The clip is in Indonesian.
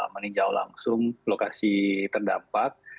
meninjau langsung lokasi terdampak